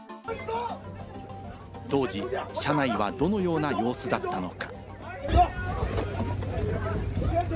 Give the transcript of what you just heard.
当時、車内はどのような様子だったのか？